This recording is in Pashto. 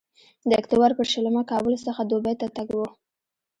د اکتوبر پر شلمه کابل څخه دوبۍ ته تګ و.